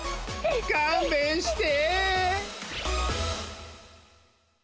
かんべんして！